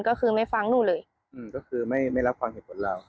ก็คือไม่ฟังหนูเลยอืมก็คือไม่ไม่รับฟังเหตุผลเรา